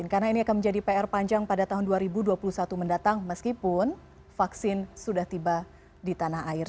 karena ini akan menjadi pr panjang pada tahun dua ribu dua puluh satu mendatang meskipun vaksin sudah tiba di tanah air